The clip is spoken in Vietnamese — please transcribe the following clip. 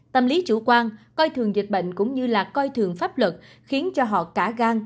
tâm lý chủ quan coi thường dịch bệnh cũng như là coi thường pháp luật khiến cho họ cả gan